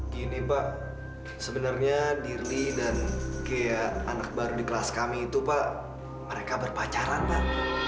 gini pak sebenarnya dirli dan kayak anak baru di kelas kami itu pak mereka berpacaran lah